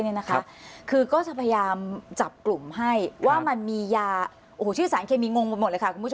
นี่นะคะคือก็ชักยารใจกลุ่มให้ว่ามันมียาโหชื่อสารเคมีงงก่อนละค่ะพูด